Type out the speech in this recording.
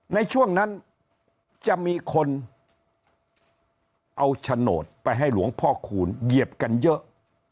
ในช่วงนั้นจะมีคนเอาโฉนดไปให้หลวงพ่อคูณเหยียบกันเยอะ